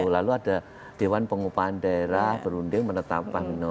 lalu ada dewan pengupahan daerah berunding menetapkan